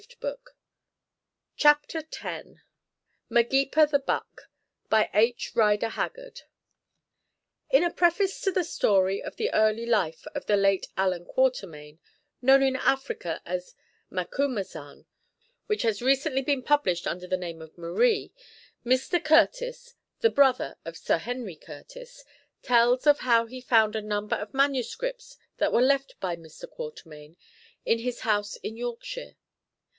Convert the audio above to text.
BYAM SHAW, A.R.W.S. Copyright in the U.S.A. by H. Rider Haggard IN a preface to the story of the early life of the late Allan Quatermain, known in Africa as Macumazahn, which has recently been published under the name of "Marie," Mr. Curtis, the brother of Sir Henry Curtis, tells of how he found a number of manuscripts that were left by Mr. Quatermain in his house in Yorkshire.